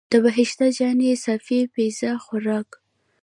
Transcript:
د بهشته جانې صافی پیزا خوراک.